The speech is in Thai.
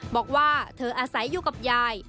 บอกว่าเธออาศัยอยู่กับยาย